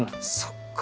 そっか！